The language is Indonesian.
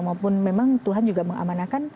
maupun memang tuhan juga mengamanakan